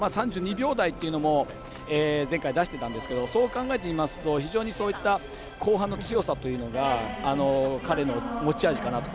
３２秒台というのも前回出してたんですけどそう考えてみますと非常に後半の強さというのが彼の持ち味かなと。